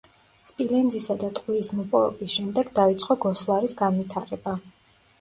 სპილენძისა და ტყვიის მოპოვების შემდეგ დაიწყო გოსლარის განვითარება.